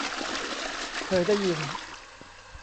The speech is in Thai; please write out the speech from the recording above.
เคยได้ยิน